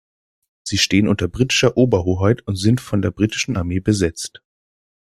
Sie stehen unter britischer Oberhoheit und sind von der britischen Armee besetzt.